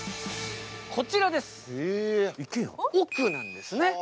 こちら、奥なんですね。